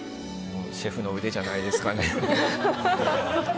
シェフの腕じゃないですかね。